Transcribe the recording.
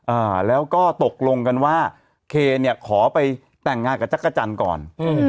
อ่าแล้วก็ตกลงกันว่าเคเนี่ยขอไปแต่งงานกับจักรจันทร์ก่อนอืม